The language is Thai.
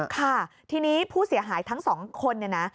ค่ะทีนี้ผู้เสียหายทั้งสองคนเนี่ยนะ